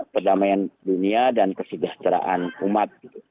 perdamaian dunia dan kesejahteraan umat